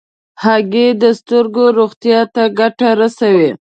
هګۍ د سترګو روغتیا ته ګټه رسوي.